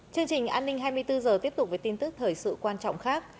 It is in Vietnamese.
chương trình an ninh hai mươi bốn h tiếp tục với tin tức thời sự quan trọng khác